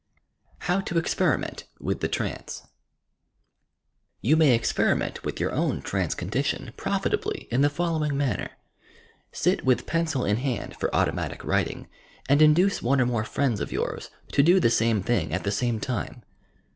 HOW TO EXPERIMENT WTTH THE TRANCE You may experiment with your own tranee eondition profitably in the following manner: — Sit with pencil in hand for Automatic Writing, and induce one or more friends of yours to do the same thing at the same time.